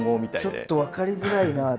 ちょっと分かりづらいな。